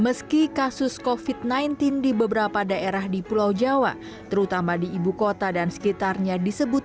meski kasus kofit sembilan belas di beberapa daerah di pulau jawa terutama di ibu kota dan sekitarnya disebut